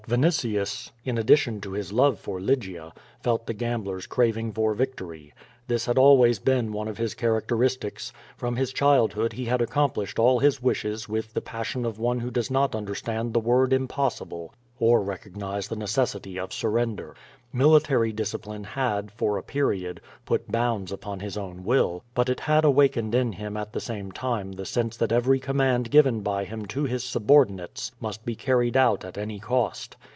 But Vinitius, in addition to his love for Lygia, felt the gam bler's craving for victory. This had always been one of his characteristics. From his childhood he had accomplished all his wishes with ,the passion of one who does not under stand the word impossible, or recognize the necessity of sur render. Military discipline had, for a period, put bounds upon his own will, but it had awakened in him at the same time the sense that every command given by him to his subordinates must be carried out at any cost.